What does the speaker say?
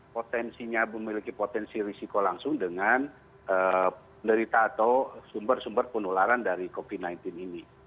potensinya memiliki potensi risiko langsung dengan penderita atau sumber sumber penularan dari covid sembilan belas ini